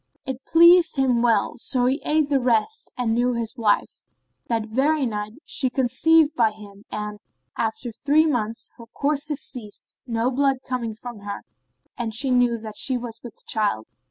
It pleased him well, so he ate the rest and knew his wife. That very night she conceived by him and, after three months, her courses ceased, no blood came from her and she knew that she was with child.